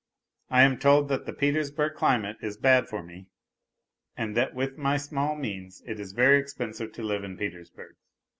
I am told that the Petersburg climate is bad for me, and that with my small means it is very expensive to live in Petersburg.